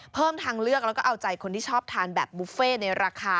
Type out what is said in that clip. เพิ่มทางเลือกแล้วก็เอาใจคนที่ชอบทานแบบบุฟเฟ่ในราคา